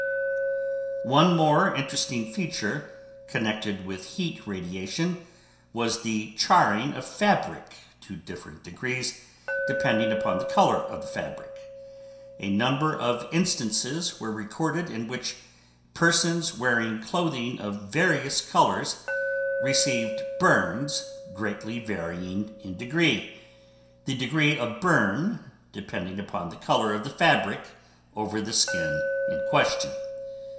One more interesting feature connected with heat radiation was the charring of fabric to different degrees depending upon the color of the fabric. A number of instances were recorded in which persons wearing clothing of various colors received burns greatly varying in degree, the degree of burn depending upon the color of the fabric over the skin in question.